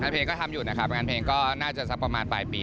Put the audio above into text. งานเพลงก็ทำอยู่เนื้อนานเกือบภาษาประมาณปลายปี